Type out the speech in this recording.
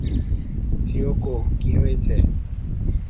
Chiyoko, কী হয়েছে?